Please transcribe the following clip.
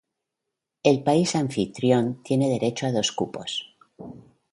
El país anfitrión tiene derecho a dos cupos.